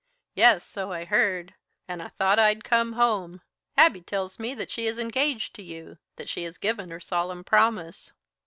"Yes, so I heard and I thought I'd come home. Abby tells me that she is engaged to you that she has given her solemn promise."